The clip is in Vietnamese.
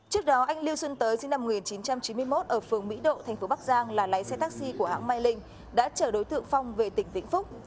trước đó anh lưu xuân tới sinh năm một nghìn chín trăm chín mươi một ở phường mỹ độ thành phố bắc giang là lái xe taxi của hãng mai linh đã trở đối tượng phong về tỉnh vĩnh phúc